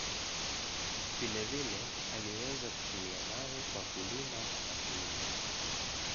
Vile vile, aliweza kutumia mawe kwa kulima na kuwinda.